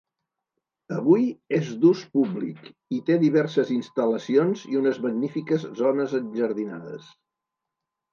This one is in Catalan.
Avui és d'ús públic i té diverses instal·lacions i unes magnífiques zones enjardinades.